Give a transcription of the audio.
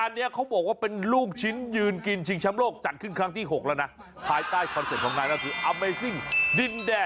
นี่กล่องเชียวมากันเพียบ